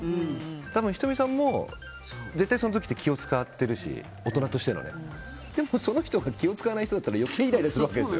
多分、仁美さんも絶対その時って気を使っているし大人としてのね。でも、その人が気を使わないと余計イライラするんですよ。